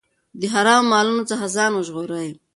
د حرامو مالونو څخه ځان وژغورئ.